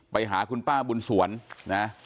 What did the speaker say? ไปหาคุณป้าบุญสวนนะ